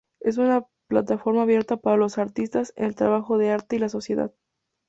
Es una plataforma abierta para los artistas, el trabajo de arte y la sociedad.